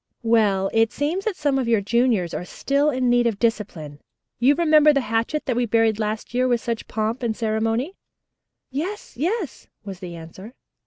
"Well, it seems that some of your juniors are still in need of discipline. You remember the hatchet that we buried last year with such pomp and ceremony?" "Yes, yes," was the answer.